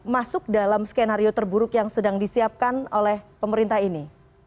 masuk dalam skenario terburuk yang sedang disiapkan oleh pemerintah ini